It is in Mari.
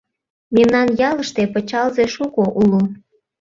Мемнан ялыште пычалзе шуко уло.